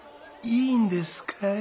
いいんですかい？